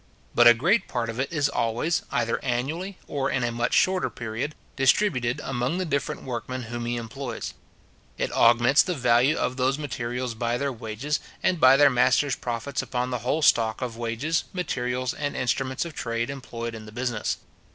But a great part of it is always, either annually, or in a much shorter period, distributed among the different workmen whom he employs. It augments the value of those materials by their wages, and by their masters' profits upon the whole stock of wages, materials, and instruments of trade employed in the business.